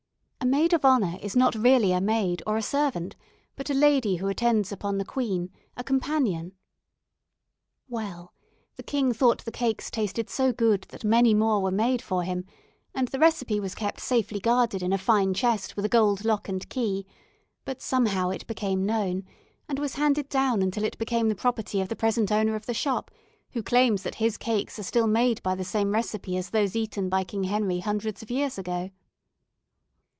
A Maid of Honor is not really a maid or a servant, but a lady who attends upon the queen a companion. Well, the king thought the cakes tasted so good that many more were made for him, and the recipe was kept safely guarded in a fine chest with a gold lock and key; but somehow it became known, and was handed down until it became the property of the present owner of the shop, who claims that his cakes are still made by the same recipe as those eaten by King Henry hundreds of years ago.